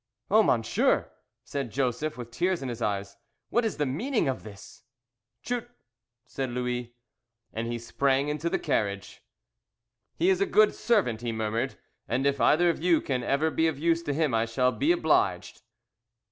"Oh, monsieur!" said Joseph, with tears in his eyes, "what is the meaning of this?" "Chut!" said Louis, and he sprang into the carriage. "He is a good servant," he murmured, "and if either of you can ever be of use to him I shall be obliged."